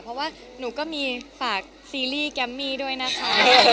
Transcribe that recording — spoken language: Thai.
เพราะว่าหนูก็มีฝากซีรีส์แกมมี่ด้วยนะคะ